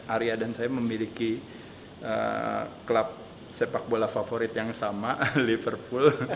arya dan saya memiliki klub sepak bola favorit yang sama liverpool